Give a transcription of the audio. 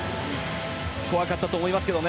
怖かったと思いますが。